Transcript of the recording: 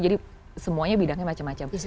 jadi semuanya bidangnya macam macam